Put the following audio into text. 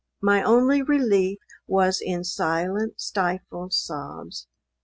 My only relief was in silent stifled sobs.